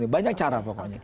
banyak cara pokoknya